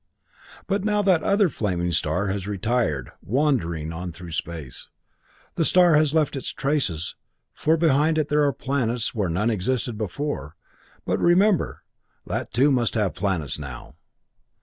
"But now that other flaming star has retired, wandering on through space. The star has left its traces, for behind it there are planets where none existed before. But remember that it, too, must have planets now.